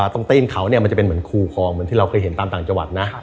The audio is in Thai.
ตรงตีนเขาเนี่ยมันจะเป็นเหมือนคู่คลองเหมือนที่เราเคยเห็นตามต่างจัวร์นะ